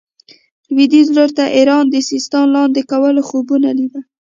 لوېدیځ لوري ته ایران د سیستان لاندې کولو خوبونه لیدل.